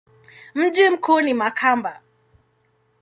Mji mkuu ni Makamba.